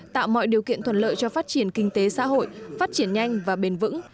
tạo mọi điều kiện thuận lợi cho phát triển kinh tế xã hội phát triển nhanh và bền vững